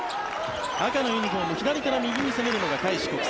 赤のユニホーム左から右に攻めるのが開志国際。